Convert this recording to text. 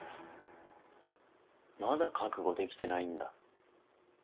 まだ覚悟できてないんだ？